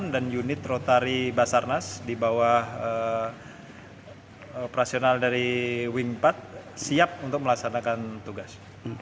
dan unit rotari basarnas di bawah operasional dari wimpad siap untuk melaksanakan tugas